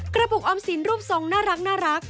กระปุกออมสินรูปทรงน่ารัก